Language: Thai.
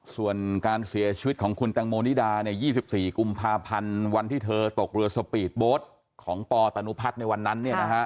ส่วนการเสียชีวิตของคุณแตงโมนิดา๒๔กุมภาพันธ์วันที่เธอตกเรือสปีดโบ๊ทของปตนุพัฒน์ในวันนั้น